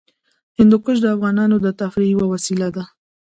هندوکش د افغانانو د تفریح یوه وسیله ده.